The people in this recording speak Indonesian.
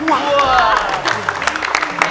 hanya di dalam jiwa